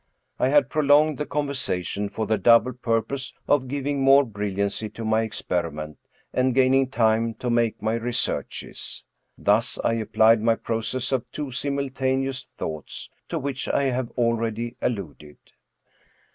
I had prolonged the conversation for the double pur pose of giving more brilliancy to my experiment, and gaining time to make my researches. Thus I applied my process of two simultaneous thoughts, to which I have al ready alluded.